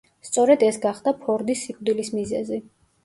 სწორედ ეს გახდა ფორდის სიკვდილის მიზეზი.